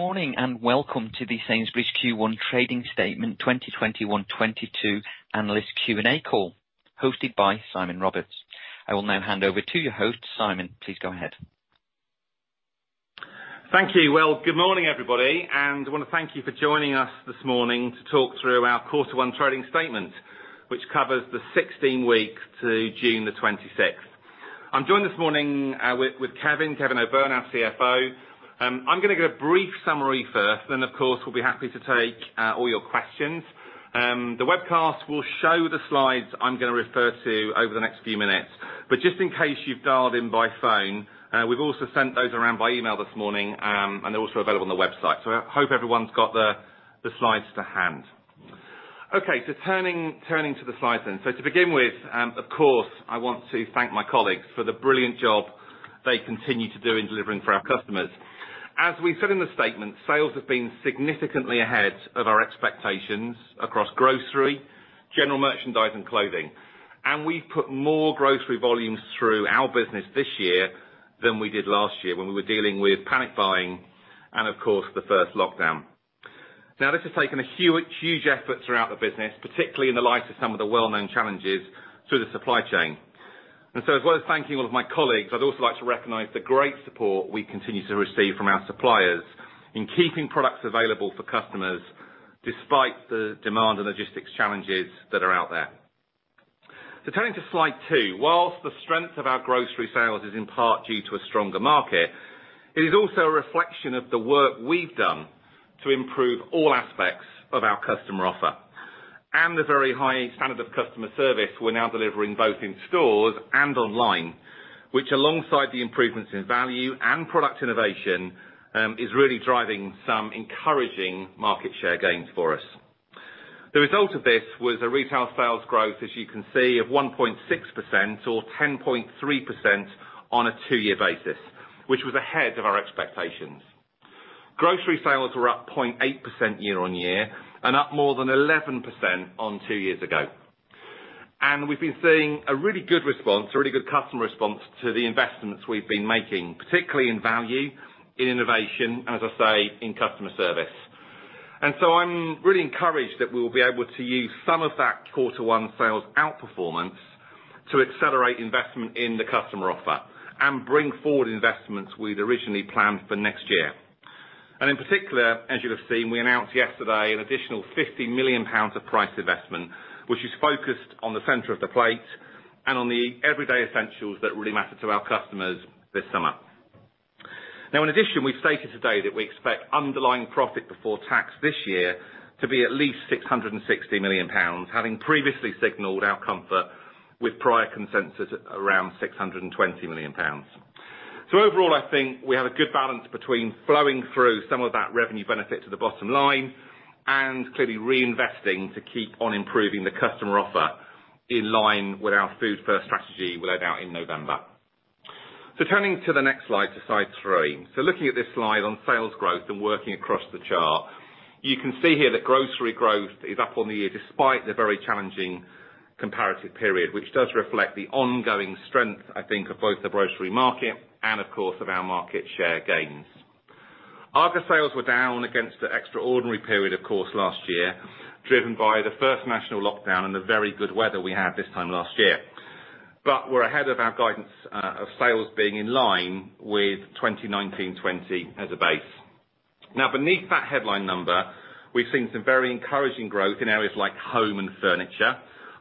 Good morning, welcome to the Sainsbury's Q1 Trading Statement 2021/2022 Analyst Q&A Call hosted by Simon Roberts. I will now hand over to your host, Simon. Please go ahead. Thank you. Well, good morning, everybody. I want to thank you for joining us this morning to talk through our quarter 1 trading statement, which covers the 16-week to June 26th. I'm joined this morning with Kevin O'Byrne, our CFO. I'm going to give a brief summary first, of course, we'll be happy to take all your questions. The webcast will show the slides I'm going to refer to over the next few minutes. Just in case you've dialed in by phone, we've also sent those around by email this morning and also available on the website. I hope everyone's got the slides to hand. Okay, turning to the slides then. To begin with, of course, I want to thank my colleagues for the brilliant job they continue to do in delivering for our customers. As we said in the statement, sales have been significantly ahead of our expectations across grocery, general merchandise, and clothing. We put more grocery volumes through our business this year than we did last year when we were dealing with panic buying and of course, the first lockdown. Now, this has taken huge efforts throughout the business, particularly in the light of some of the well-known challenges through the supply chain. As well as thanking all of my colleagues, I'd also like to recognize the great support we continue to receive from our suppliers in keeping products available for customers despite the demand and logistics challenges that are out there. Turning to slide two, whilst the strength of our grocery sales is in part due to a stronger market, it is also a reflection of the work we've done to improve all aspects of our customer offer and the very high standard of customer service we're now delivering both in stores and online, which alongside the improvements in value and product innovation, is really driving some encouraging market share gains for us. The result of this was a retail sales growth, as you can see, of 1.6% or 10.3% on a two-year basis, which was ahead of our expectations. Grocery sales were up 0.8% year-over-year and up more than 11% on 2 years ago. We've been seeing a really good response, really good customer response to the investments we've been making, particularly in value, innovation, as I say, in customer service. I'm really encouraged that we'll be able to use some of that quarter one sales outperformance to accelerate investment in the customer offer and bring forward investments we'd originally planned for next year. In particular, as you'll have seen, we announced yesterday an additional 50 million pounds of price investment, which is focused on the center of the plate and on the everyday essentials that really matter to our customers this summer. Now, in addition, we stated today that we expect underlying profit before tax this year to be at least 660 million pounds, having previously signaled our comfort with prior consensus at around 620 million pounds. Overall, I think we have a good balance between flowing through some of that revenue benefit to the bottom line and clearly reinvesting to keep on improving the customer offer in line with our Food First strategy we laid out in November. Turning to the next slide, to slide three. Looking at this slide on sales growth and working across the chart, you can see here that grocery growth is up on the year despite the very challenging comparative period, which does reflect the ongoing strength, I think, of both the grocery market and of course, of our market share gains. Argos sales were down against the extraordinary period, of course, last year, driven by the first national lockdown and the very good weather we had this time last year. We're ahead of our guidance of sales being in line with 2019/2020 as a base. Beneath that headline number, we've seen some very encouraging growth in areas like home and furniture,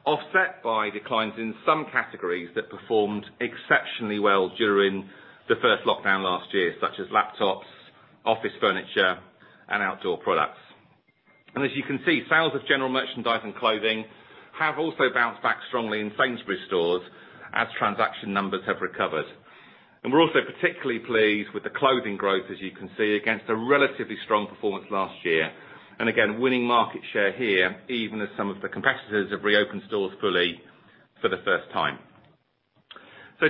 offset by declines in some categories that performed exceptionally well during the first lockdown last year, such as laptops, office furniture, and outdoor products. As you can see, sales of General Merchandise and Clothing have also bounced back strongly in Sainsbury's stores as transaction numbers have recovered. We're also particularly pleased with the clothing growth, as you can see, against a relatively strong performance last year, winning market share here, even as some of the competitors have reopened stores fully for the first time.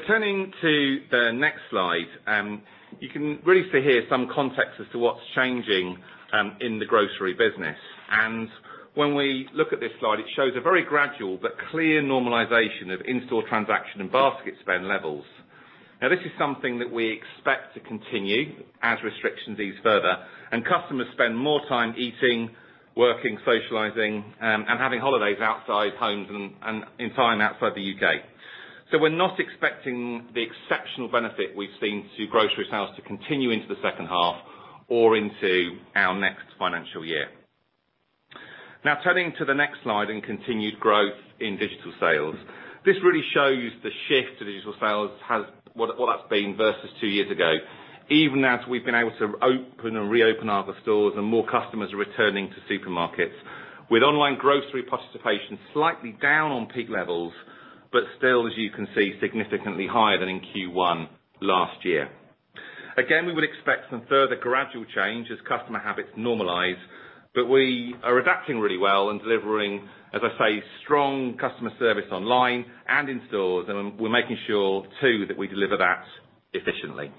Turning to the next slide, you can really see here some context as to what's changing in the grocery business. When we look at this slide, it shows a very gradual but clear normalization of in-store transaction and basket spend levels. Now, this is something that we expect to continue as restrictions ease further and customers spend more time eating, working, socializing, and having holidays outside homes and time outside the U.K. We're not expecting the exceptional benefit we've seen to grocery sales to continue into the second half or into our next financial year. Turning to the next slide in continued growth in digital sales. This really shows the shift digital sales has been versus 2 years ago, even as we've been able to open and reopen other stores and more customers are returning to supermarkets with online grocery participation slightly down on peak levels, but still, as you can see, significantly higher than in Q1 last year. We would expect some further gradual change as customer habits normalize, but we are adapting really well and delivering, as I say, strong customer service online and in stores, and we're making sure too, that we deliver that efficiently.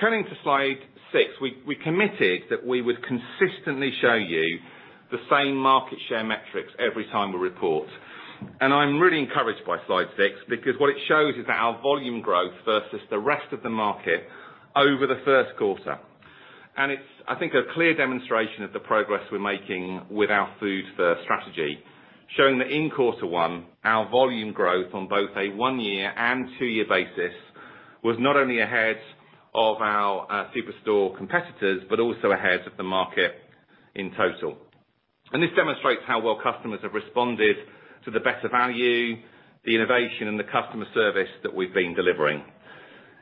Turning to slide six, we committed that we would consistently show you the same market share metrics every time we report. I'm really encouraged by slide six, because what it shows is our volume growth versus the rest of the market over the first quarter. It's, I think, a clear demonstration of the progress we're making with our Food First strategy, showing that in Q1, our volume growth on both a 1-year and 2-year basis was not only ahead of our superstore competitors, but also ahead of the market in total. This demonstrates how well customers have responded to the better value, the innovation, and the customer service that we've been delivering.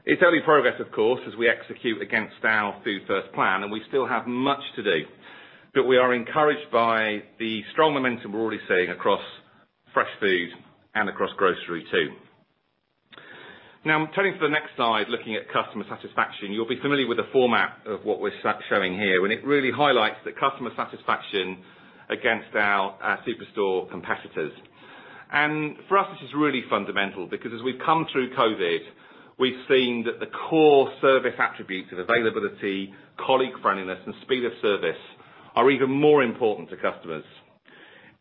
It's early progress, of course, as we execute against our Food First plan, and we still have much to do, but we are encouraged by the strong momentum we're already seeing across fresh food and across grocery too. Now, turning to the next slide, looking at customer satisfaction. You'll be familiar with the format of what we're showing here, and it really highlights the customer satisfaction against our superstore competitors. For us, this is really fundamental because as we come through COVID, we've seen that the core service attributes of availability, colleague friendliness, and speed of service are even more important to customers.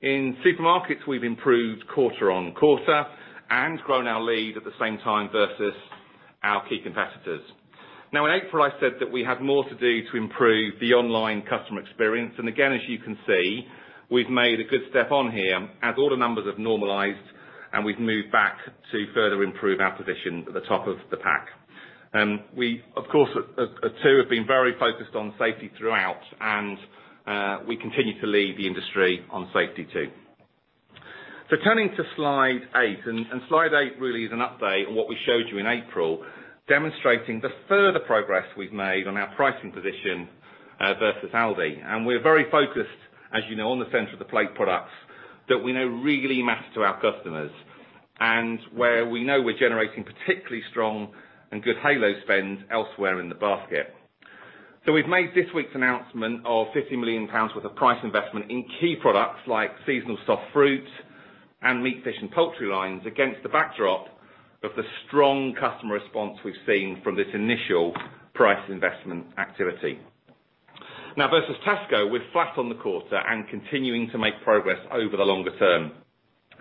In Supermarkets, we've improved quarter-on-quarter and grown our lead at the same time versus our key competitors. In April, I said that we have more to do to improve the online customer experience, and again, as you can see, we've made a good step on here as order numbers have normalized, and we've moved back to further improve our position at the top of the pack. We, of course, at Tu have been very focused on safety throughout, and we continue to lead the industry on safety too. Turning to slide eight, slide eight really is an update on what we showed you in April, demonstrating the further progress we've made on our pricing position versus Asda. We're very focused, as you know, on the center of the plate products that we know really matter to our customers and where we know we're generating particularly strong and good halo spend elsewhere in the basket. We've made this week's announcement of 50 million pounds worth of price investment in key products like seasonal soft fruit and meat, fish, and poultry lines against the backdrop of the strong customer response we've seen from this initial price investment activity. Versus Tesco, we're flat on the quarter and continuing to make progress over the longer term.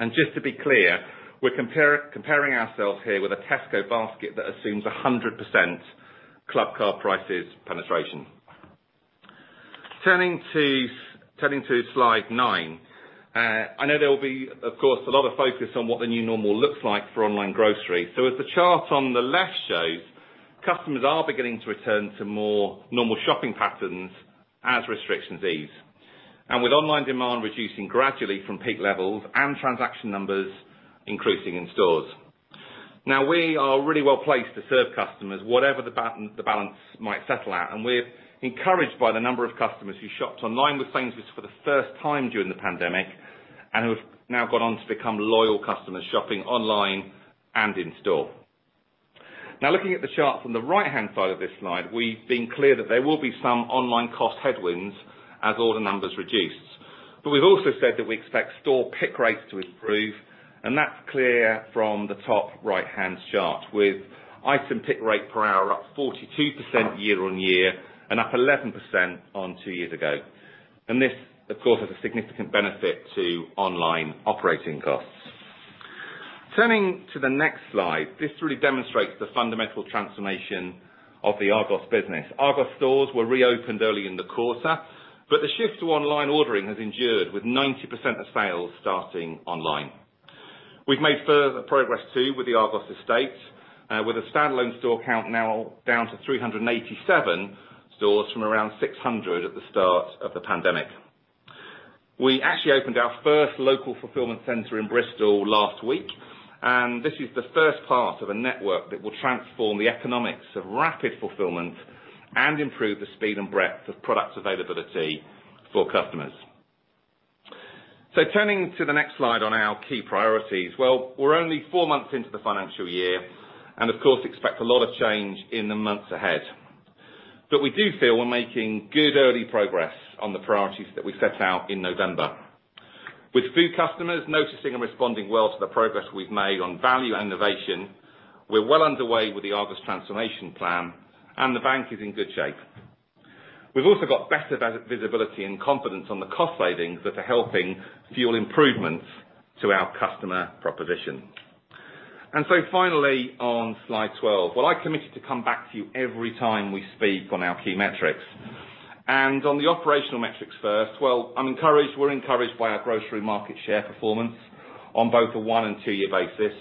Just to be clear, we're comparing ourselves here with a Tesco basket that assumes 100% Clubcard prices penetration. Turning to slide nine. I know there will be, of course, a lot of focus on what the new normal looks like for online grocery. As the chart on the left shows, customers are beginning to return to more normal shopping patterns as restrictions ease, with online demand reducing gradually from peak levels and transaction numbers increasing in stores. We are really well-placed to serve customers whatever the balance might settle at, and we're encouraged by the number of customers who shopped online with Sainsbury's for the first time during the pandemic and who've now gone on to become loyal customers shopping online and in-store. Looking at the chart on the right-hand side of this slide, we've been clear that there will be some online cost headwinds as order numbers reduce. We've also said that we expect store pick rates to improve, and that's clear from the top right-hand chart with item pick rate per hour up 42% year-on-year and up 11% on 2 years ago. This, of course, has a significant benefit to online operating costs. Turning to the next slide, this really demonstrates the fundamental transformation of the Argos business. Argos stores were reopened early in the quarter, but the shift to online ordering has endured with 90% of sales starting online. We've made further progress too with the Argos estate, with a standalone store count now down to 387 stores from around 600 at the start of the pandemic. We actually opened our first local fulfillment center in Bristol last week, and this is the first part of a network that will transform the economics of rapid fulfillment and improve the speed and breadth of product availability for customers. Turning to the next slide on our key priorities. Well, we're only 4 months into the financial year and of course expect a lot of change in the months ahead. We do feel we're making good early progress on the priorities that we set out in November. With food customers noticing and responding well to the progress we've made on value and innovation, we're well underway with the Argos Transformation Plan and the Bank is in good shape. We've also got better visibility and confidence on the cost savings that are helping fuel improvements to our customer proposition. Finally on slide 12. Well, I committed to come back to you every time we speak on our key metrics. On the operational metrics first, well, I'm encouraged, we're encouraged by our grocery market share performance on both a 1 and 2-year basis.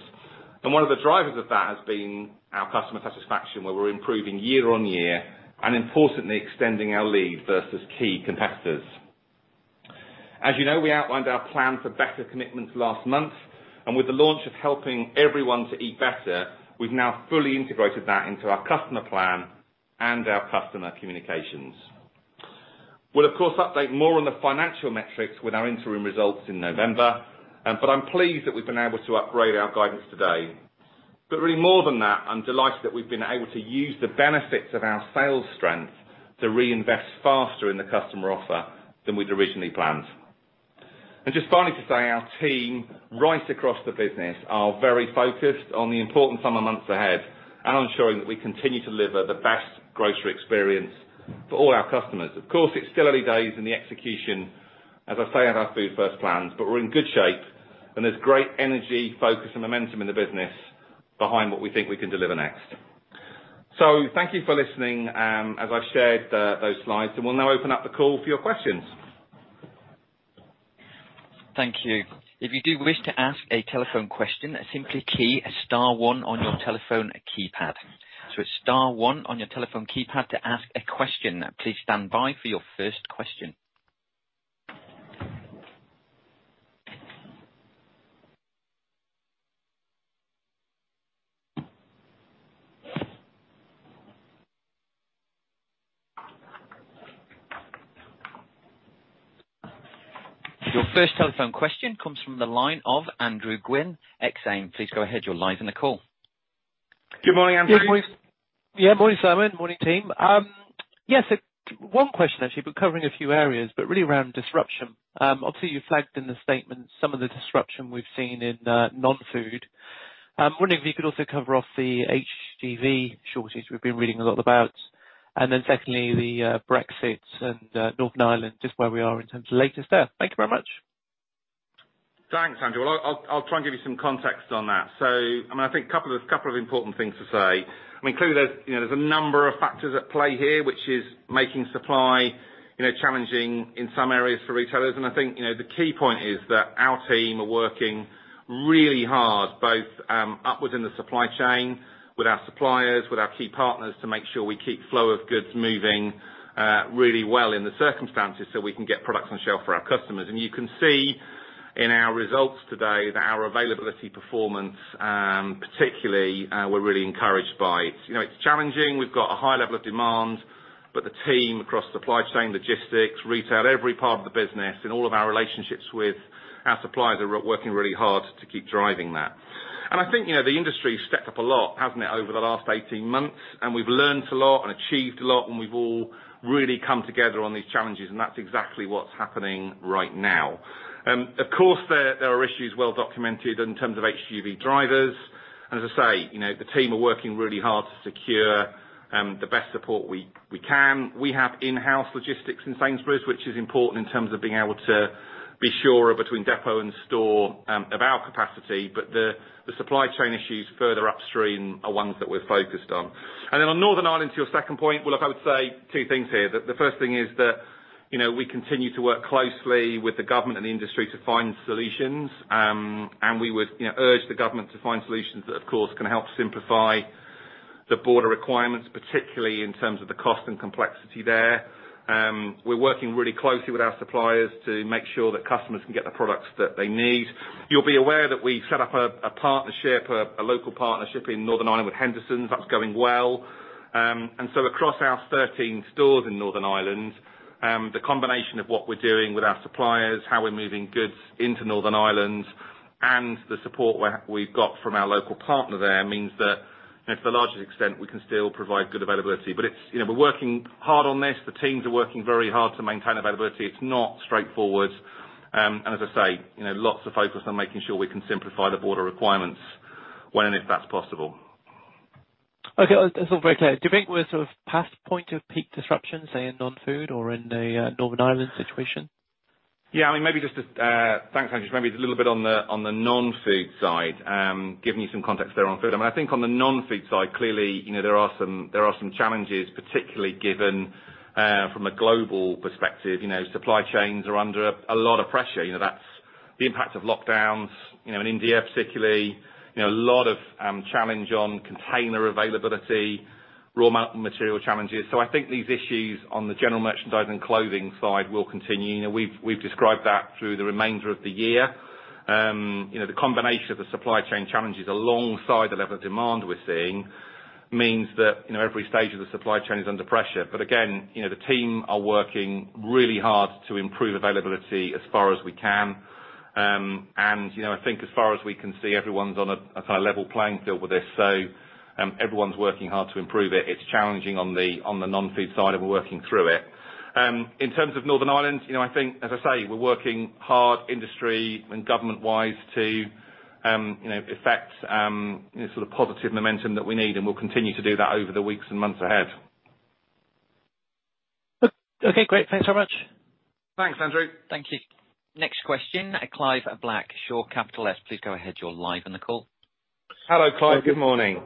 One of the drivers of that has been our customer satisfaction, where we're improving year-on-year and importantly, extending our lead versus key competitors. As you know, we outlined our plan for better commitments last month. With the launch of Helping Everyone to Eat Better, we've now fully integrated that into our customer plan and our customer communications. We'll, of course, update more on the financial metrics with our interim results in November. I'm pleased that we've been able to upgrade our guidance today. Really more than that, I'm delighted that we've been able to use the benefits of our sales strength to reinvest faster in the customer offer than we'd originally planned. Just finally to say, our team right across the business are very focused on the important summer months ahead and on showing that we continue to deliver the best grocery experience for all our customers. Of course, it's early days in the execution. As I say, Our Food First plan, but we're in good shape and there's great energy, focus, and momentum in the business behind what we think we can deliver next. Thank you for listening as I shared those slides, and we'll now open up the call for your questions. Thank you. If you do wish to ask a telephone question, simply key star one on your telephone keypad. It's star one on your telephone keypad to ask a question. Please stand by for your first question. Your first telephone question comes from the line of Andrew Gwynn, Exane. Please go ahead. You're live on the call. Good morning. Good morning. Morning, Simon. Morning, team. Yes, one question, actually, but covering a few areas, but really around disruption. Obviously, you flagged in the statement some of the disruption we've seen in non-food. I'm wondering if you could also cover off the HGV shortage we've been reading a lot about. Secondly, the Brexit and Northern Ireland, just where we are in terms of latest there. Thank you very much. Thanks, Andrew. I'll try and give you some context on that. I think couple of important things to say. Clearly, there's a number of factors at play here which is making supply challenging in some areas for retailers. I think, the key point is that our team are working really hard, both up within the supply chain with our suppliers, with our key partners, to make sure we keep flow of goods moving really well in the circumstances so we can get product on shelf for our customers. You can see in our results today that our availability performance, particularly, we're really encouraged by. It's challenging. We've got a high level of demand, but the team across supply chain logistics, retail, every part of the business in all of our relationships with our suppliers are working really hard to keep driving that. I think the industry has stepped up a lot, hasn't it, over the last 18 months, and we've learned a lot and achieved a lot, and we've all really come together on these challenges, and that's exactly what's happening right now. Of course, there are issues well documented in terms of HGV drivers. As I say, the team are working really hard to secure the best support we can. We have in-house logistics in Sainsbury's, which is important in terms of being able to be sure of between depot and store of our capacity, but the supply chain issues further upstream are ones that we're focused on. On Northern Ireland, to your second point, well, I'd say two things here. The first thing is that we continue to work closely with the government and the industry to find solutions. We would urge the government to find solutions that, of course, can help simplify the border requirements, particularly in terms of the cost and complexity there. We're working really closely with our suppliers to make sure that customers can get the products that they need. You'll be aware that we set up a local partnership in Northern Ireland with Henderson Group. That's going well. Across our 13 stores in Northern Ireland, the combination of what we're doing with our suppliers, how we're moving goods into Northern Ireland, and the support we've got from our local partner there means that for the largest extent, we can still provide good availability. We're working hard on this. The teams are working very hard to maintain availability. It's not straightforward. As I say, lots of focus on making sure we can simplify the border requirements when, if that's possible. Okay. That's all very clear. Do you think we're sort of past point of peak disruption, say, in non-food or in the Northern Ireland situation? Yeah. Thanks, Andrew. Maybe a little bit on the non-food side, giving you some context there on food. I think on the non-food side, clearly there are some challenges, particularly given from a global perspective. Supply chains are under a lot of pressure. That's the impact of lockdowns in India particularly. A lot of challenge on container availability, raw material challenges. I think these issues on the General Merchandise and Clothing side will continue. We've described that through the remainder of the year. The combination of the supply chain challenges alongside the level of demand we're seeing means that every stage of the supply chain is under pressure. Again, the team are working really hard to improve availability as far as we can. I think as far as we can see, everyone's on a level playing field with this. Everyone's working hard to improve it. It's challenging on the non-food side and we're working through it. In terms of Northern Ireland, I think, as I say, we're working hard industry and government-wise to effect the positive momentum that we need, and we'll continue to do that over the weeks and months ahead. Okay, great. Thanks very much. Thanks, Andrew. Thank you. Next question, Clive Black at Shore Capital. Please go ahead. You're live on the call. Hello, Clive. Good morning.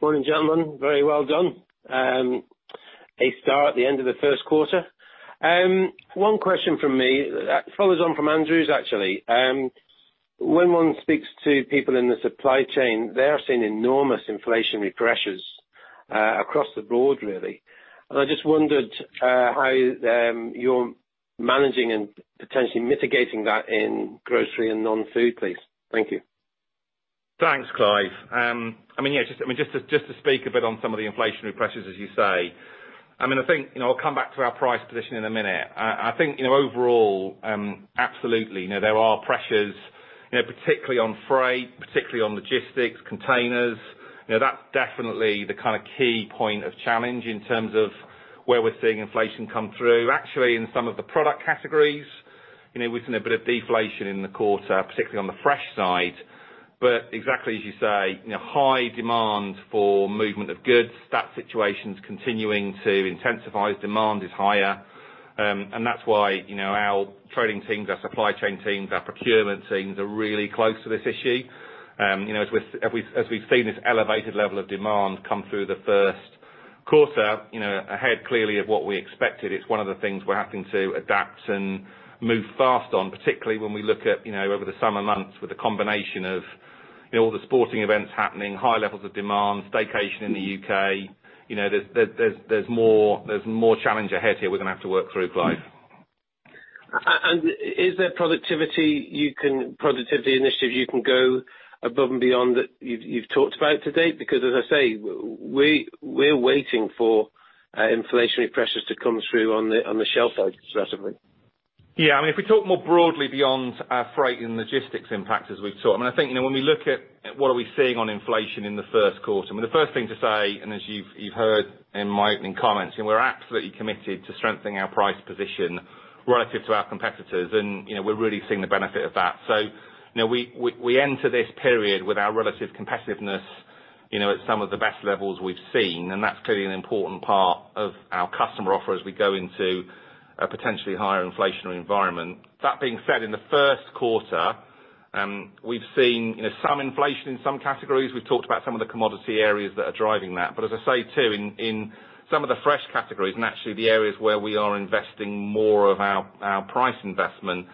Morning, gentlemen. Very well done. A start at the end of the first quarter. One question from me that follows on from Andrew Gwynn's, actually. When one speaks to people in the supply chain, they are seeing enormous inflationary pressures across the board, really. I just wondered how you're managing and potentially mitigating that in grocery and non-food, please. Thank you. Thanks, Clive. To speak a bit on some of the inflationary pressures, as you say. I think I'll come back to our price position in a minute. I think overall, absolutely, there are pressures, particularly on freight, particularly on logistics, containers. That's definitely the key point of challenge in terms of where we're seeing inflation come through, actually in some of the product categories. We've seen a bit of deflation in the quarter, particularly on the fresh side. Exactly as you say, high demand for movement of goods, that situation's continuing to intensify, demand is higher. That's why our trading teams, our supply chain teams, our procurement teams are really close to this issue. As we've seen this elevated level of demand come through the first quarter, ahead clearly of what we expected, it's one of the things we're having to adapt and move fast on, particularly when we look at over the summer months with a combination of all the sporting events happening, high levels of demand, staycation in the U.K. There's more challenge ahead here we're going to have to work through, Clive. Is there productivity initiatives you can go above and beyond that you've talked about to-date? As I say, we're waiting for inflationary pressures to come through on the shelf side specifically. Yeah, if we talk more broadly beyond freight and logistics impact, as we've talked, and I think when we look at what we're seeing on inflation in the first quarter, the first thing to say, and as you've heard in my opening comments, we're absolutely committed to strengthening our price position relative to our competitors, and we're really seeing the benefit of that. We enter this period with our relative competitiveness at some of the best levels we've seen, and that's clearly an important part of our customer offer as we go into a potentially higher inflationary environment. That being said, in the first quarter, we've seen some inflation in some categories. We've talked about some of the commodity areas that are driving that. As I say, too, in some of the fresh categories, and actually the areas where we are investing more of our price investment,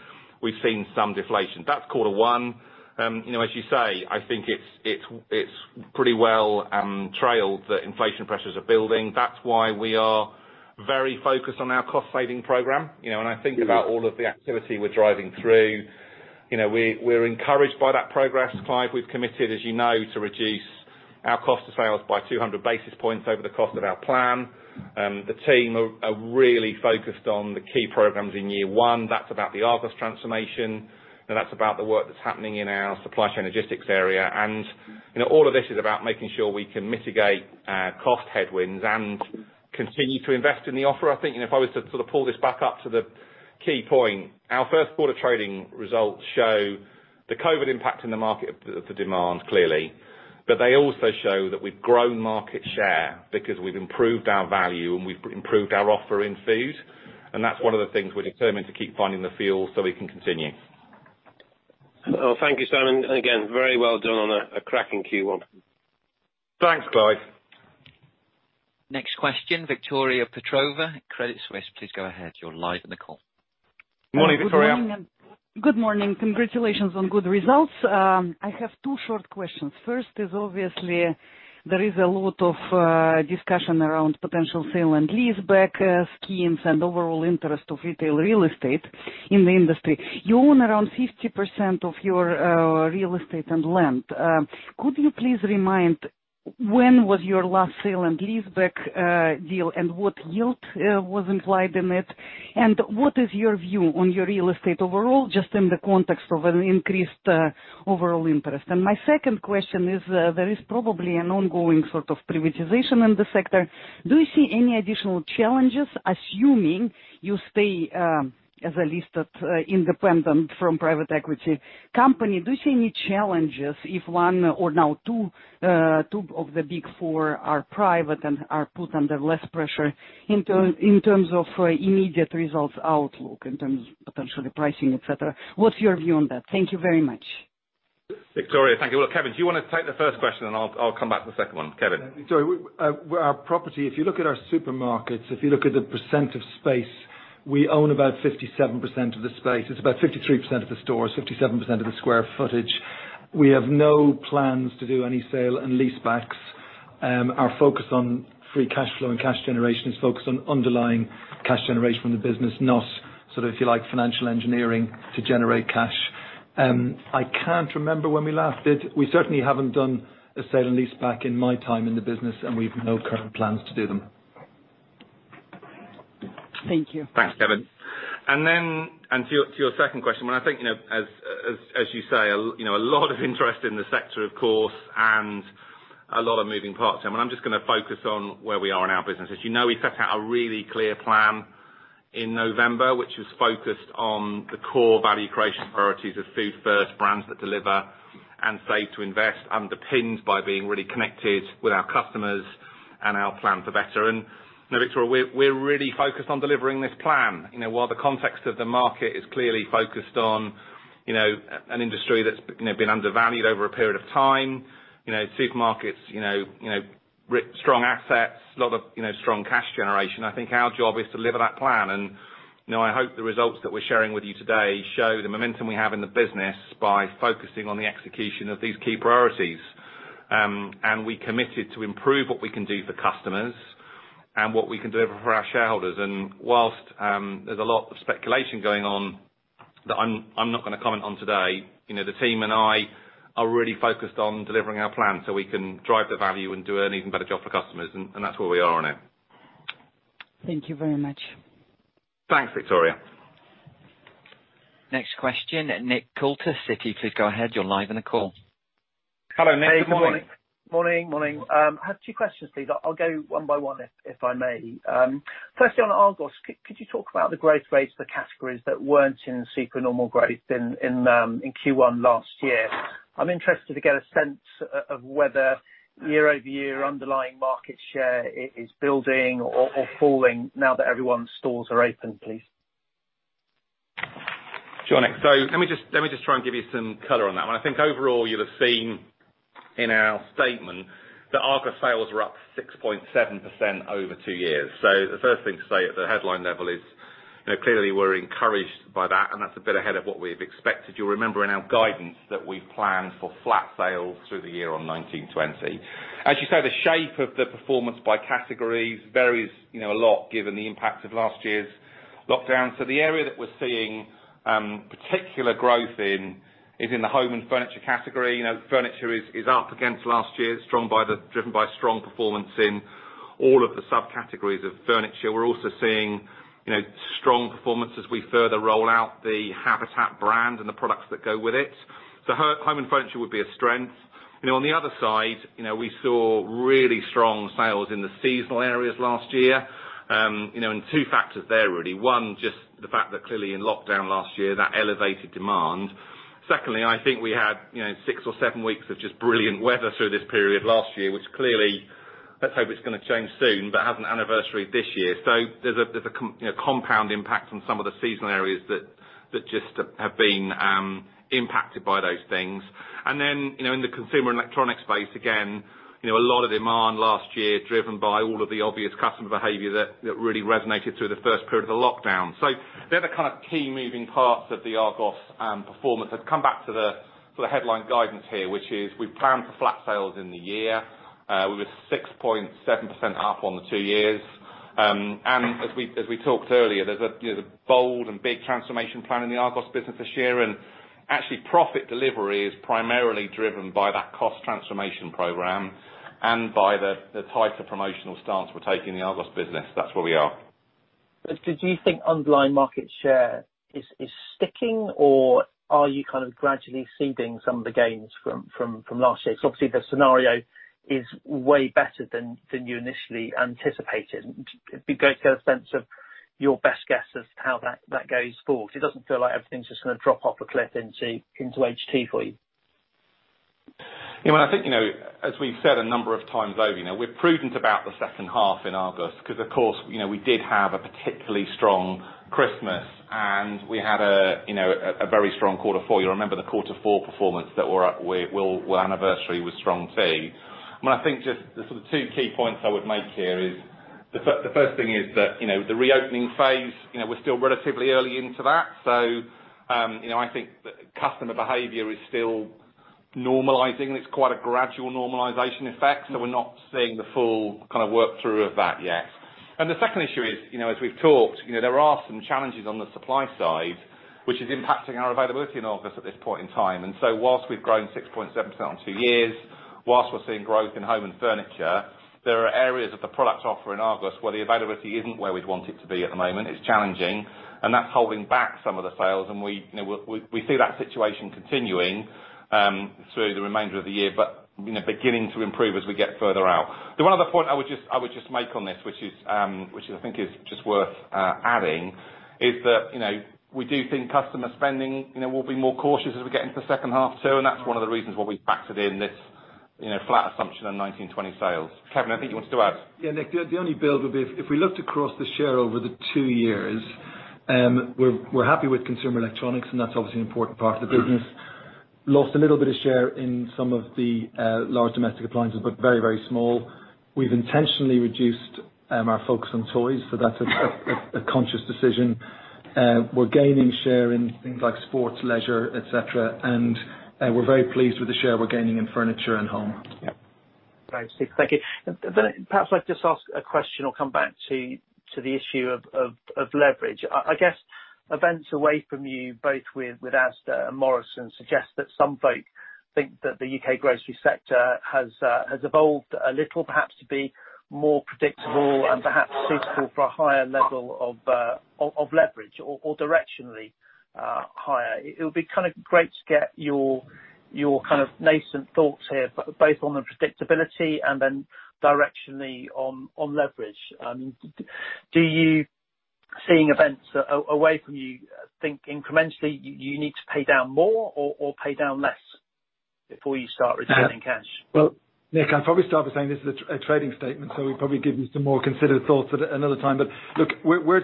we've seen some deflation. That's quarter one. As you say, I think it's pretty well trailed that inflation pressures are building. That's why we are very focused on our cost saving program. When I think about all of the activity we're driving through, we're encouraged by that progress, Clive. We've committed, as you know, to reduce our cost of sales by 200 basis points over the cost of our plan. The team are really focused on the key programs in year 1. That's about the Argos transformation, and that's about the work that's happening in our supply chain logistics area. All of this is about making sure we can mitigate our cost headwinds and continue to invest in the offer. I think if I was to sort of pull this back up to the key point, our first quarter trading results show the COVID impact in the market of demand, clearly. They also show that we've grown market share because we've improved our value and we've improved our offer in food, and that's one of the things we're determined to keep finding the fuel so we can continue. Well, thank you, Simon. Again, very well done on a cracking Q1. Thanks, Clive. Next question, Victoria Petrova, Credit Suisse. Please go ahead. You are live on the call. Morning, Victoria. Good morning. Congratulations on good results. I have two short questions. First is obviously there is a lot of discussion around potential sale and leaseback schemes and overall interest of retail real estate in the industry. You own around 50% of your real estate and land. Could you please remind when was your last sale and leaseback deal and what yield was implied in it? What is your view on your real estate overall, just in the context of an increased overall interest? My second question is there is probably an ongoing sort of privatization in the sector. Do you see any additional challenges, assuming you stay as a listed independent from private equity company? Do you see any challenges if one or now two of the big four are private and are put under less pressure in terms of immediate results outlook, in terms of potentially pricing, et cetera? What's your view on that? Thank you very much. Victoria, thank you. Look, Kevin, do you want to take the first question and I'll come back to the second one. Kevin. Sorry. Our property, if you look at our supermarkets, if you look at the percent of space, we own about 57% of the space. It's about 53% of the stores, 57% of the square footage. We have no plans to do any sale and leasebacks. Our focus on free cash flow and cash generation is focused on underlying cash generation from the business, not sort of financial engineering to generate cash. I can't remember when we last did. We certainly haven't done a sale and leaseback in my time in the business. We have no current plans to do them. Thank you. Thanks, Kevin. To your second question, I think, as you say, a lot of interest in the sector, of course, and a lot of moving parts. I'm just going to focus on where we are in our business. As you know, we set out a really clear plan in November, which is focused on the core value creation priorities of Food First, brands that deliver, and safe to invest, underpinned by being really connected with our customers and our plan for better. Victoria, we're really focused on delivering this plan. While the context of the market is clearly focused on an industry that's been undervalued over a period of time, supermarkets, strong assets, a lot of strong cash generation, I think our job is to deliver that plan. I hope the results that we're sharing with you today show the momentum we have in the business by focusing on the execution of these key priorities. We committed to improve what we can do for customers and what we can do for our shareholders. Whilst there's a lot of speculation going on that I'm not going to comment on today, the team and I are really focused on delivering our plan so we can drive the value and do an even better job for customers, and that's where we are on it. Thank you very much. Thanks, Victoria. Next question, Nick Coulter, Citi. Please go ahead. You're live on the call. Hello, Nick. Good morning. Morning. I have two questions, please. I'll go one by one, if I may. First on Argos. Could you talk about the growth rates for categories that weren't in super normal growth in Q1 last year? I'm interested to get a sense of whether year-over-year underlying market share is building or falling now that everyone's stores are open, please. Sure. Let me just try and give you some color on that. I think overall, you'll have seen in our statement that Argos sales were up 6.7% over two years. The first thing to say at the headline level is clearly we're encouraged by that, and that's a bit ahead of what we've expected. You'll remember in our guidance that we planned for flat sales through the year on 19/20. As you say, the shape of the performance by categories varies a lot given the impact of last year's lockdown. The area that we're seeing particular growth in is in the home and furniture category. Furniture is up against last year, driven by strong performance in all of the subcategories of furniture. We're also seeing strong performance as we further roll out the Habitat brand and the products that go with it. Home and furniture would be a strength. On the other side, we saw really strong sales in the seasonal areas last year. Two factors there really. One, just the fact that clearly in lockdown last year, that elevated demand. Secondly, I think we had six or seven weeks of just brilliant weather through this period last year, which clearly, let's hope it's going to change soon, but hasn't anniversary this year. There's a compound impact on some of the seasonal areas that just have been impacted by those things. In the consumer electronics space, again, a lot of demand last year driven by all of the obvious customer behavior that really resonated through the first period of the lockdown. They're thekey moving parts of the Argos performance. I come back to the headline guidance here, which is we planned for flat sales in the year. We were 6.7% up on the two years. As we talked earlier, there's a bold and big transformation plan in the Argos business this year. Actually profit delivery is primarily driven by that cost transformation program and by the tighter promotional stance we're taking in the Argos business. That's where we are. Do you think underlying market share is sticking or are you gradually ceding some of the gains from last year? Obviously, the scenario is way better than you initially anticipated. Could we get a sense of your best guess as to how that goes forward? It doesn't feel like everything's just going to drop off a cliff into H2 for you. I think, as we've said a number of times over, we're prudent about the second half in Argos because, of course, we did have a particularly strong Christmas and we had a very strong quarter four. You'll remember the quarter four performance that we'll anniversary was strong too. I think just the two key points I would make here is the first thing is that the reopening phase, we're still relatively early into that. I think customer behavior is still normalizing. It's quite a gradual normalization effect, so we're not seeing the full work through of that yet. The second issue is, as we've talked, there are some challenges on the supply side, which is impacting our availability in Argos at this point in time. Whilst we've grown 6.7% on 2 years, whilst we're seeing growth in home and furniture, there are areas of the product offer in Argos where the availability isn't where we'd want it to be at the moment. It's challenging, and that's holding back some of the sales, and we see that situation continuing through the remainder of the year, but beginning to improve as we get further out. The other point I would just make on this, which I think is just worth adding, is that we do think customer spending will be more cautious as we get into the second half too, and that's one of the reasons why we factored in this flat assumption on 19/20 sales. Kevin, I think you want to add. Nick, the only build would be if we looked across the share over the 2 years, we're happy with consumer electronics, and that's obviously an important part of the business. Lost a little bit of share in some of the large domestic appliances, but very small. We've intentionally reduced our focus on toys, so that's a conscious decision. We're gaining share in things like sports, leisure, et cetera, and we're very pleased with the share we're gaining in furniture and home. Yeah. Thanks. Perhaps if I could just ask a question, I'll come back to the issue of leverage. I guess events away from you both with Asda and Morrisons suggest that some folks think that the U.K. grocery sector has evolved a little, perhaps to be more predictable and perhaps suitable for a higher level of leverage or directionally higher. It would be great to get your nascent thoughts here, both on the predictability and then directionally on leverage. Do you, seeing events away from you, think incrementally you need to pay down more or pay down less before you start returning cash? Well, Nick, I'd probably start by saying this is a trading statement, so we'll probably give you some more considered thoughts at another time. Look, we've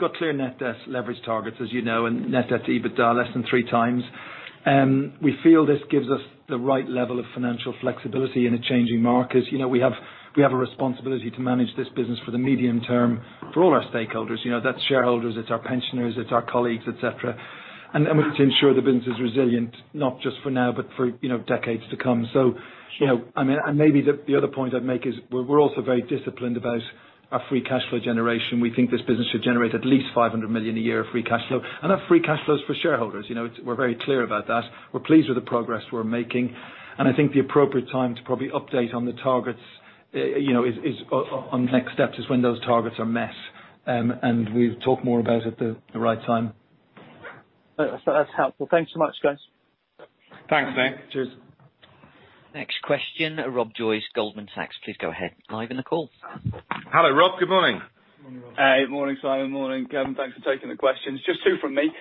got clear net debt leverage targets, as you know, net debt to EBITDA less than 3x. We feel this gives us the right level of financial flexibility in a changing market. We have a responsibility to manage this business for the medium term for all our stakeholders. That's shareholders, it's our pensioners, it's our colleagues, et cetera. We need to ensure the business is resilient, not just for now, but for decades to come. Maybe the other point I'd make is we're also very disciplined about our free cash flow generation. We think this business should generate at least 500 million a year free cash flow. That free cash flow is for shareholders. We're very clear about that. We're pleased with the progress we're making. I think the appropriate time to probably update on the targets is on the next steps is when those targets are met. We'll talk more about it at the right time. That's helpful. Thanks so much, guys Thanks, mate. Cheers. Next question, Rob Joyce, Goldman Sachs. Please go ahead. You're live on the call. Hello, Rob. Good morning. Hey, morning, Simon. Morning, Kevin. Thanks for taking the questions. Just two from me.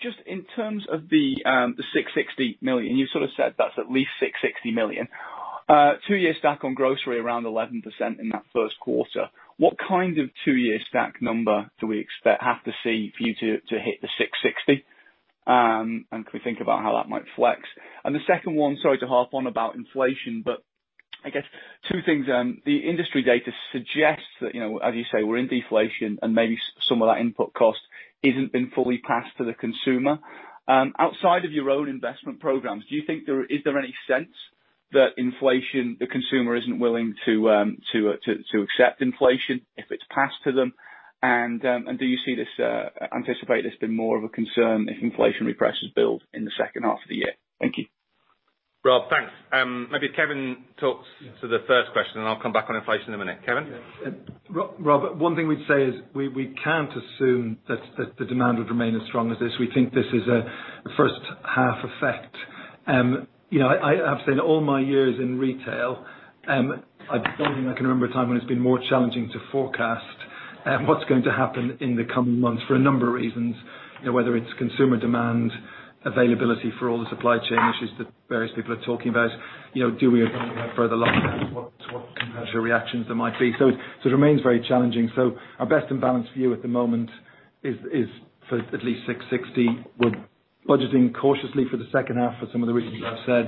Just in terms of the 660 million, you sort of said that's at least 660 million. 2-year stack on grocery around 11% in that first quarter. What kind of 2-year stack number do we expect have to see for you to hit the 660? Can we think about how that might flex? The second one, sorry to harp on about inflation, but I guess two things. The industry data suggests that, as you say, we're into deflation and maybe some of that input cost isn't being fully passed to the consumer. Outside of your own investment programs, is there any sense that the consumer isn't willing to accept inflation if it's passed to them? Do you anticipate this being more of a concern if inflationary pressures build in the second half of the year? Thank you. Rob, thanks. Maybe Kevin talks to the first question, and I'll come back on inflation in a minute. Kevin? Rob, one thing we'd say is we can't assume that the demand would remain as strong as this. We think this is a first half effect. I've been all my years in retail. I don't think I can remember a time when it's been more challenging to forecast what's going to happen in the coming months for a number of reasons, whether it's consumer demand, availability for all supply chain issues that various people are talking about. Do we have further lockdowns? What consumer reactions there might be. It remains very challenging. Our best imbalance view at the moment is for at least 660. We're budgeting cautiously for the second half for some of the reasons I've said.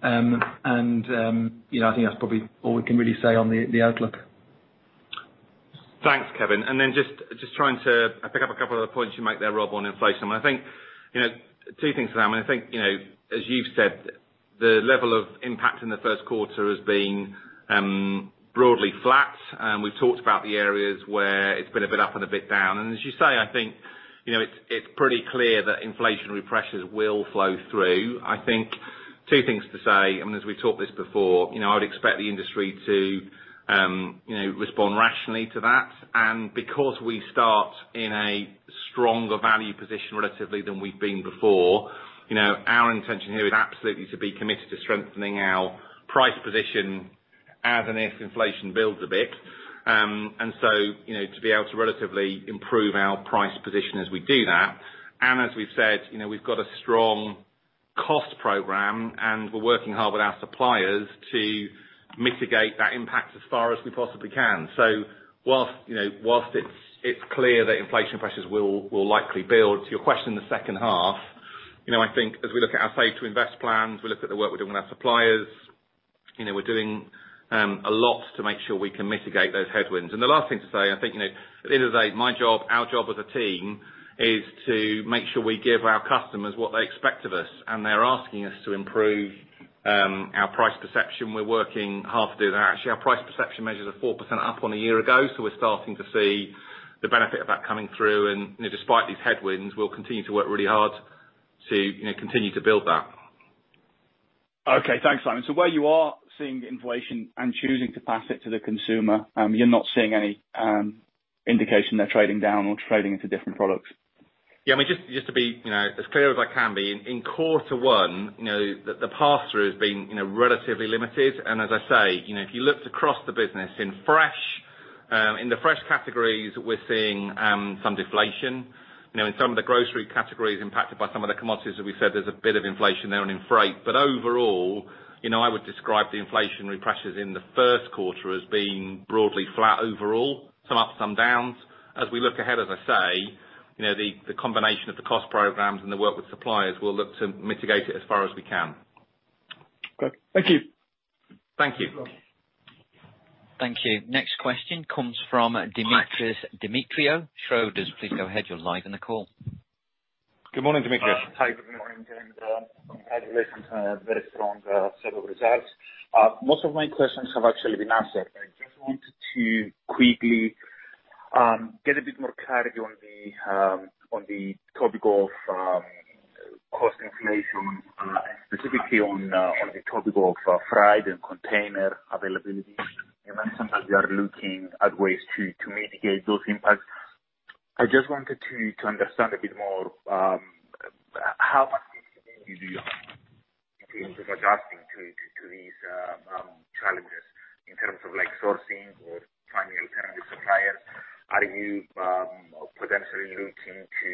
I think that's probably all we can really say on the outlook. Thanks, Kevin. Just trying to pick up a couple of points you make there, Rob, on inflation. I think two things. I think as you said, the level of impact in the first quarter as being broadly flat. We've talked about the areas where it's been a bit up and a bit down. As you say, I think it's pretty clear that inflationary pressures will flow through. I think two things to say, as we've talked this before, I'd expect the industry to respond rationally to that. We start in a stronger value position relatively than we've been before, our intention here is absolutely to be committed to strengthening our price position as and if inflation builds a bit. To be able to relatively improve our price position as we do that. As we've said, we've got a strong cost program, and we're working hard with our suppliers to mitigate that impact as far as we possibly can. Whilst it's clear that inflation pressures will likely build, to your question in the second half, I think as we look at our pay to invest plans, we look at the work we're doing with suppliers, we're doing a lot to make sure we can mitigate those headwinds. The last thing to say, I think at the end of the day, my job, our job as a team, is to make sure we give our customers what they expect of us. They're asking us to improve our price perception. We're working hard to do that. Actually, our price perception measures are 4% up on a year ago, so we're starting to see the benefit of that coming through. Despite these headwinds, we'll continue to work really hard to continue to build that. Okay. Thanks, Simon. Where you are seeing inflation and choosing to pass it to the consumer, you're not seeing any indication they're trading down or trading for different products? Yeah, just to be as clear as I can be. In quarter one, the pass-through has been relatively limited. As I say, if you looked across the business, in the fresh categories, we're seeing some deflation. In some of the grocery categories impacted by some of the commodities that we said there's a bit of inflation there on in freight. Overall, I would describe the inflationary pressures in the first quarter as being broadly flat overall, some ups, some downs. As we look ahead, as I say, the combination of the cost programs and the work with suppliers, we'll look to mitigate it as far as we can. Okay. Thank you. Thank you. Thank you. Next question comes from Demetris Demetriou, Schroders. Please go ahead. You are live on the call. Good morning, Demetris. Hi, good morning, and congratulations on the set of results. Most of my questions have actually been answered. I just wanted to quickly get a bit more clarity on the topic of cost inflation, specifically on the topic of freight and container availability. I imagine sometimes you are looking at ways to mitigate those impacts. I just wanted to understand a bit more, how much is it in terms of adapting to these challenges in terms of resourcing or finding alternative suppliers? Are you potentially looking to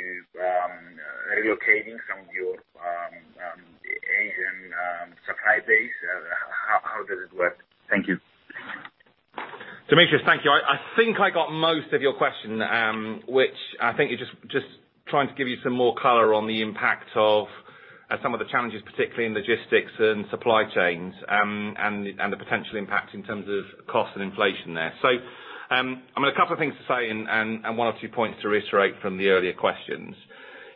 relocating some of your Asian supply base? How does it work? Thank you. Demetris, thank you. I think I got most of your question, which I think is just trying to give you some more color on the impact of some of the challenges, particularly in logistics and supply chains and the potential impact in terms of cost and inflation there. A couple of things to say and one or two points to reiterate from the earlier questions.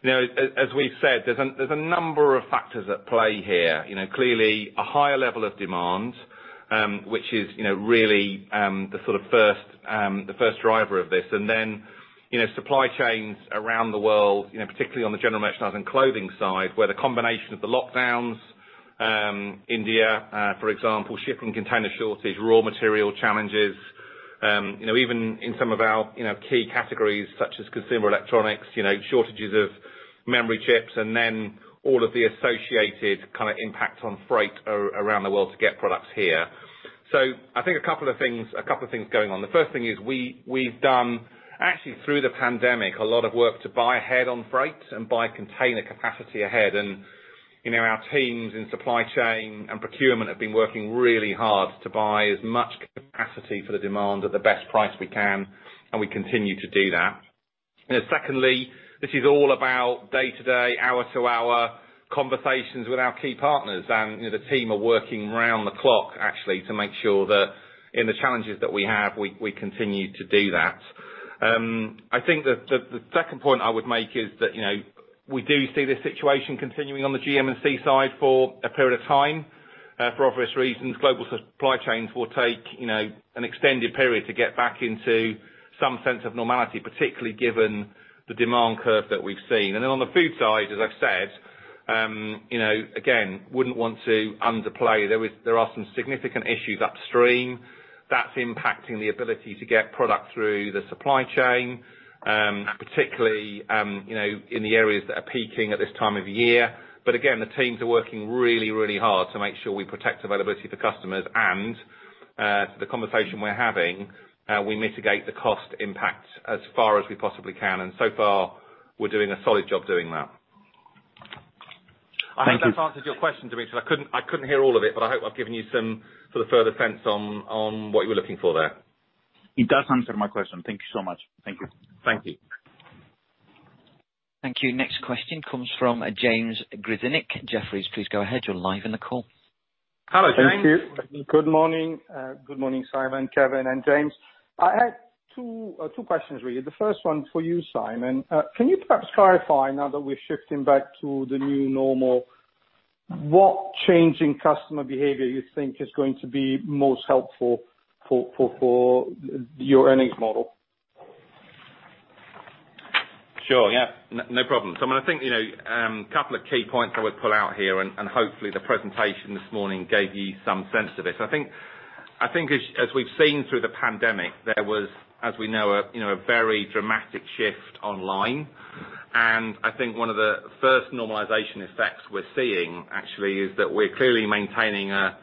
As we've said, there's a number of factors at play here. Clearly, a higher level of demand, which is really the sort of first driver of this. Supply chains around the world, particularly on the general merchandise and clothing side, where the combination of the lockdowns, India, for example, shipping container shortages, raw material challenges. Even in some of our key categories, such as consumer electronics, shortages of memory chips, and then all of the associated impacts on freight around the world to get products here. I think a couple of things going on. The first thing is we've done, actually through the pandemic, a lot of work to buy ahead on freight and buy container capacity ahead. Our teams in supply chain and procurement have been working really hard to buy as much capacity for the demand at the best price we can, and we continue to do that. Secondly, this is all about day-to-day, hour-to-hour conversations with our key partners. The team are working around the clock actually to make sure that in the challenges that we have, we continue to do that. I think that the second point I would make is that we do see this situation continuing on the GM and C side for a period of time. For obvious reasons, global supply chains will take an extended period to get back into some sense of normality, particularly given the demand curve that we've seen. On the food side, as I've said, again, wouldn't want to underplay, there are some significant issues upstream that's impacting the ability to get product through the supply chain, particularly in the areas that are peaking at this time of year. Again, the teams are working really hard to make sure we protect availability for customers and the conversation we're having, we mitigate the cost impact as far as we possibly can. So far, we're doing a solid job doing that. Thank you. I hope that answers your question, Demetris, because I couldn't hear all of it, but I hope I've given you some further sense on what you were looking for there. It does answer my question. Thank you so much. Thank you. Thank you. Thank you. Next question comes from James Grzinic at Jefferies. Please go ahead. You're live on the call. Hello, James. Thank you. Good morning. Good morning, Simon, Kevin, and James. I had two questions, really. The first one for you, Simon. Can you perhaps clarify now that we're shifting back to the new normal, what change in customer behavior you think is going to be most helpful for your earning model? Sure. Yeah, no problem. I think a couple of key points I would pull out here, and hopefully the presentation this morning gave you some sense of this. I think as we've seen through the pandemic, there was, as we know, a very dramatic shift online. I think one of the first normalization effects we're seeing actually is that we're clearly maintaining a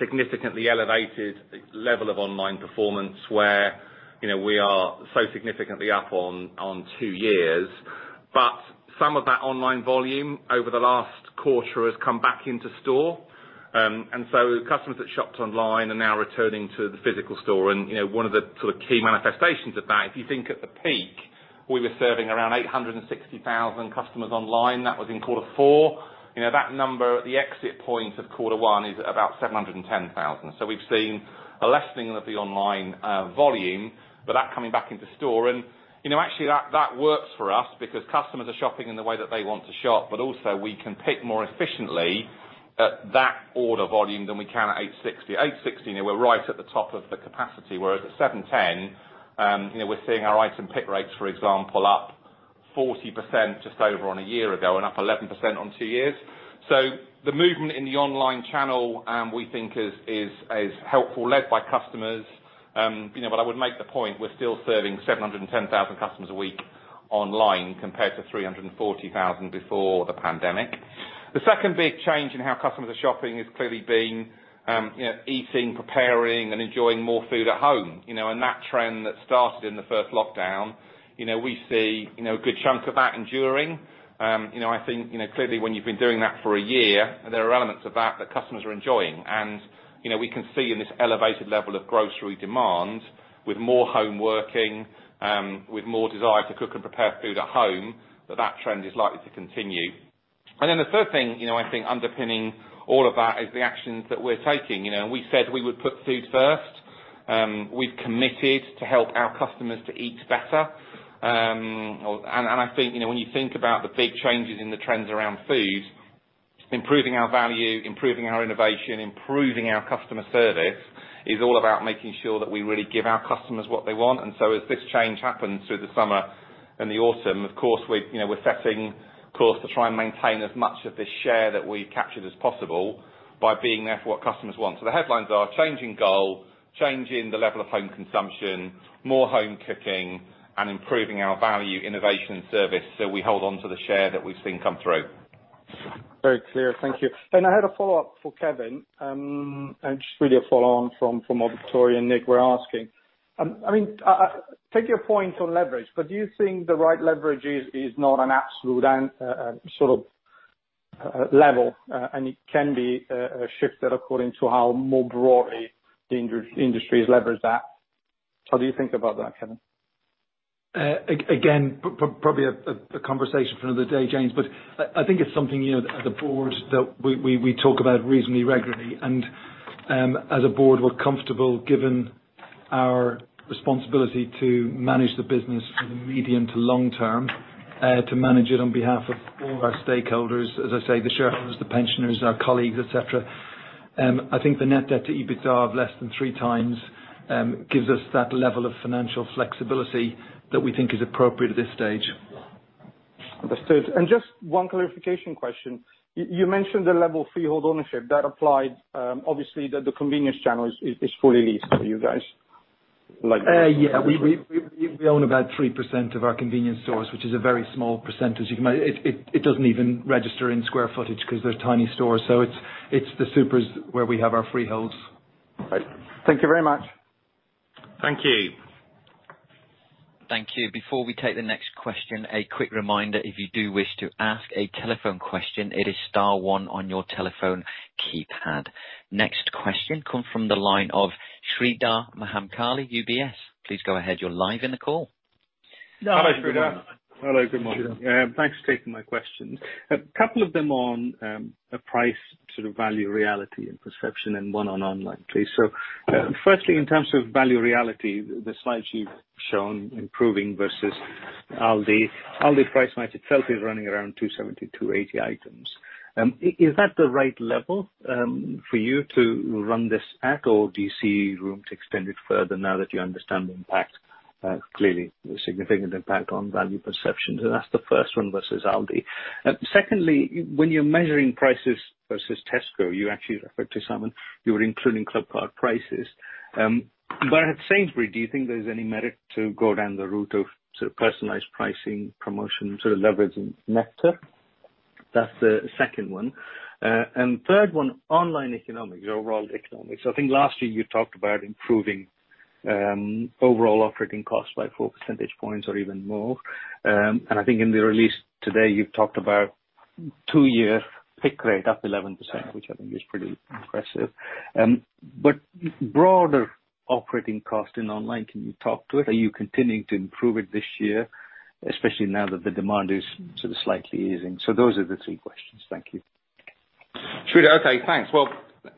significantly elevated level of online performance where we are so significantly up on 2 years. Some of that online volume over the last quarter has come back into store. Customers that shopped online are now returning to the physical store. One of the key manifestations of that, if you think at the peak, we were serving around 860,000 customers online. That was in quarter 4. That number at the exit point of quarter 1 is about 710,000. We've seen a lessening of the online volume, but that coming back into store. Actually that works for us because customers are shopping in the way that they want to shop, but also we can pick more efficiently at that order volume than we can at 860. 860, we're right at the top of the capacity, whereas at 710, we're seeing our item pick rates, for example, up 40% just over on a year ago and up 11% on two years. The movement in the online channel we think is helpful, led by customers. I would make the point we're still serving 710,000 customers a week online compared to 340,000 before the pandemic. The second big change in how customers are shopping has clearly been eating, preparing, and enjoying more food at home. That trend that started in the first lockdown, we see a good chunk of that enduring. I think, clearly when you've been doing that for a year, and there are elements of that, the customers are enjoying. We can see in this elevated level of grocery demand, with more home working, with more desire to cook and prepare food at home, that trend is likely to continue. The third thing I think underpinning all of that is the actions that we're taking. We said we would put Food First. We've committed to help our customers to eat better. I think when you think about the big changes in the trends around food, improving our value, improving our innovation, improving our customer service is all about making sure that we really give our customers what they want. As this change happens through the summer and the autumn, of course, we're setting course to try and maintain as much of the share that we captured as possible by being there for what customers want. The headlines are changing goal, changing the level of home consumption, more home cooking, and improving our value, innovation, and service so we hold onto the share that we've seen come through. Very clear. Thank you. I had a follow-up for Kevin, and just really a follow-on from what Victoria and Nick were asking. I take your point on leverage, do you think the right leverage is not an absolute level, and it can be shifted according to how more broadly the industry has leveraged that? How do you think about that, Kevin? Probably a conversation for another day, James, but I think it's something, as a board, that we talk about reasonably regularly. As a board, we're comfortable, given our responsibility to manage the business through the medium to long term, to manage it on behalf of all of our stakeholders, as I say, the shareholders, the pensioners, our colleagues, et cetera. I think the net debt to EBITDA of less than three times gives us that level of financial flexibility that we think is appropriate at this stage. Understood. Just one clarification question? You mentioned the level of freehold ownership that applied, obviously, that the convenience channel is fully leased for you guys. Yeah. We own about 3% of our convenience stores, which is a very small percentage. It doesn't even register in square footage because they're tiny stores, so it's the supers where we have our freeholds. Right. Thank you very much. Thank you. Thank you. Before we take the next question, a quick reminder, if you do wish to ask a telephone question, it is star one on your telephone keypad. Next question comes from the line of Sreedhar Mahamkali, UBS. Please go ahead. You're live in the call. Hi, Sreedhar. Hello, good morning. Thanks for taking my question. A couple of them on the price sort of value reality and perception and one on online, please. Firstly, in terms of value reality, the slides you've shown improving versus Aldi. Aldi Price Match is currently running around 270-280 items. Is that the right level for you to run this at or do you see room to extend it further now that you understand the impact? Clearly, a significant impact on value perception. That's the first one versus Aldi. Secondly, when you're measuring prices versus Tesco, you actually referred to some, you're including Clubcard prices. At Sainsbury's, do you think there's any merit to go down the route of personalized pricing promotions or levers in Nectar? That's the second one. Third one, online economics, your overall economics. I think last year you talked about improving overall operating costs by four percentage points or even more. I think in the release today, you've talked about two-year pick rate up 11%, which I think is pretty impressive. Broader operating cost in online, can you talk to it? Are you continuing to improve it this year, especially now that the demand is slightly easing? Those are the three questions. Thank you. Sreedhar, okay, thanks.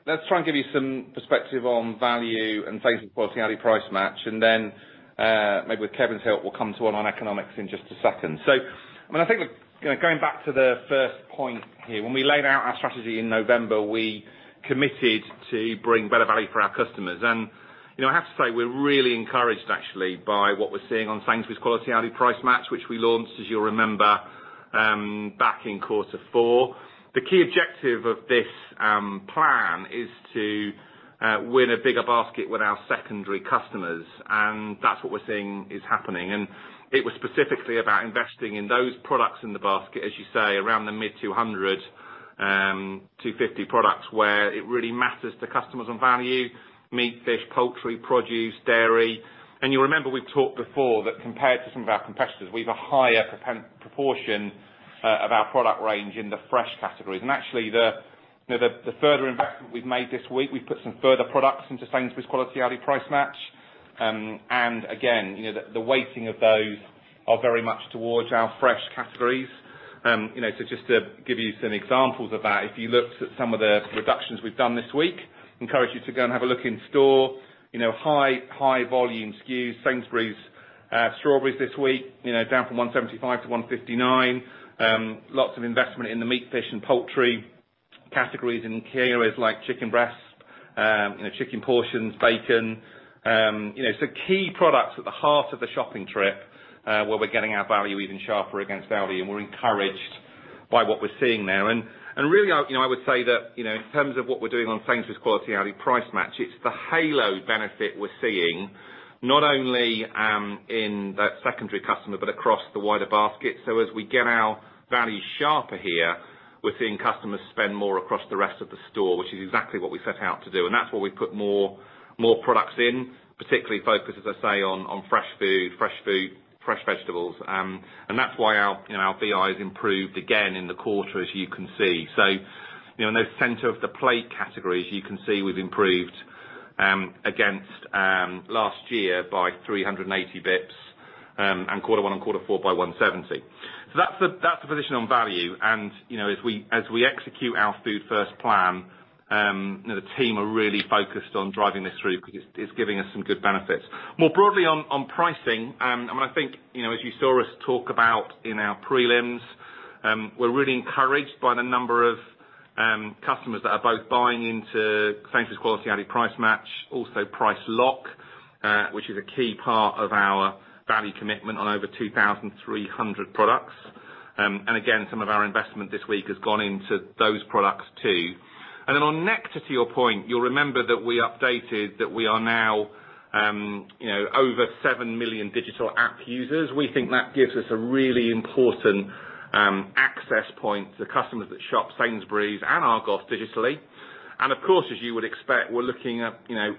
Let's try and give you some perspective on value and Sainsbury's Quality, Aldi Price Match, then maybe Kevin will come to online economics in just a second. I think going back to the first point here, when we laid out our strategy in November, we committed to bring better value for our customers. I have to say, we're really encouraged actually by what we're seeing on Sainsbury's Quality, Aldi Price Match, which we launched, as you'll remember, back in quarter four. The key objective of this plan is to win a bigger basket with our secondary customers, and that's what we're seeing is happening. It was specifically about investing in those products in the basket, as you say, around the mid-200, 250 products, where it really matters to customers on value, meat, fish, poultry, produce, dairy. You remember we've talked before that compared to some of our competitors, we have a higher proportion of our product range in the fresh categories. Actually the further impact that we've made this week, we put some further products into Sainsbury's Quality, Aldi Price Match. Again, the weighting of those are very much towards our fresh categories. Just to give you some examples of that, if you looked at some of the reductions we've done this week, encourage you to go and have a look in store, high volumes, Sainsbury's strawberries this week, down from 1.75 to 1.59. Lots of investment in the meat, fish and poultry categories in key areas like chicken breasts, chicken portions, bacon. Key products at the heart of the shopping trip, where we're getting our value even sharper against Aldi, and we're encouraged by what we're seeing there. Really, I would say that in terms of what we're doing on Sainsbury's Quality, Aldi Price Match, it's the halo benefit we're seeing not only in secondary customer, but across the wider basket. As we get our value sharper here, we're seeing customers spend more across the rest of the store, which is exactly what we set out to do. That's why we put more products in, particularly focused, as I say, on fresh food, fresh vegetables. That's why our VPI has improved again in the quarter, as you can see. In those center of the plate categories, you can see we've improved against last year by 380 basis points and Q1 and Q4 by 170. That's the position on value. As we execute our Food First plan, the team are really focused on driving this through because it's giving us some good benefits. More broadly on pricing, I think as you saw us talk about in our prelims, we're really encouraged by the number of customers that are both buying into Sainsbury's Quality, Aldi Price Match, also Price Lock, which is a key part of our value commitment on over 2,300 products. Again, some of our investment this week has gone into those products too. Then on Nectar, to your point, you'll remember that we updated that we are now over 7 million digital app users. We think that gives us a really important access point to customers that shop Sainsbury's and Argos digitally. Of course, as you would expect, we're looking at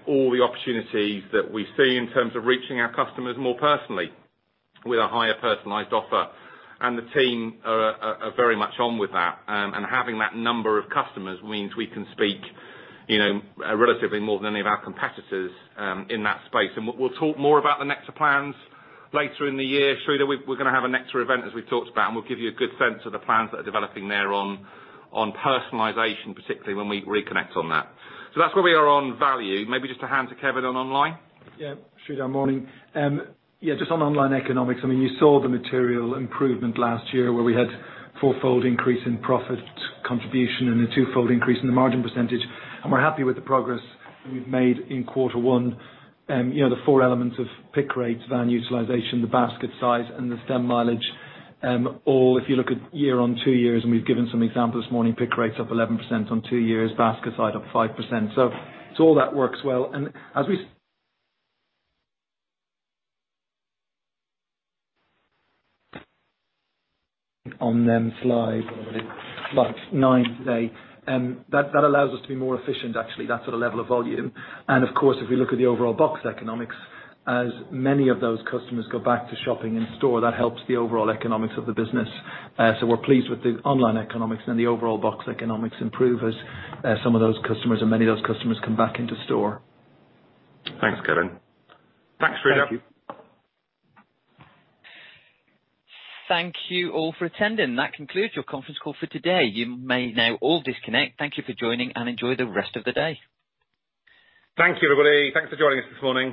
all the opportunities that we see in terms of reaching our customers more personally with a higher personalized offer. The team are very much on with that. Having that number of customers means we can speak relatively more than any of our competitors in that space. We'll talk more about the Nectar plans later in the year. Sreedhar, we're going to have a Nectar event, as we talked about, and we'll give you a good sense of the plans that are developing there on personalization, particularly when we reconnect on that. That's where we are on value. Maybe just to hand to Kevin on online. Sreedhar, morning. Just on online economics, you saw the material improvement last year where we had fourfold increase in profit contribution and a twofold increase in the margin percentage, and we're happy with the progress we've made in Q1. The four elements of pick rates, van utilization, the basket size and the stem mileage, all if you look at year-on-2-years, and we've given some examples this morning, pick rates up 11% on 2 years, basket size up 5%. All that works well. On then slides, slide nine today. That allows us to be more efficient actually at that level of volume. Of course, if you look at the overall box economics, as many of those customers go back to shopping in store, that helps the overall economics of the business. We're pleased with the online economics and the overall box economics improve as some of those customers and many of those customers come back into store. Thanks, Kevin. Thanks, Sreedhar. Thank you all for attending. That concludes your conference call for today. You may now all disconnect. Thank you for joining, and enjoy the rest of the day. Thank you, everybody. Thanks for joining us this morning.